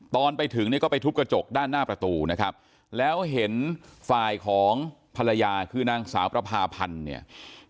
ตอนไปถึงเนี่ยก็ไปทุบกระจกด้านหน้าประตูนะครับแล้วเห็นฝ่ายของภรรยาคือนางสาวประพาพันธ์เนี่ย